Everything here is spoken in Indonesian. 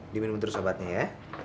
di minum terus sobatnya ya